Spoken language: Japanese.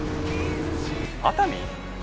熱海！？